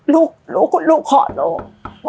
ลูกลูกขอโรง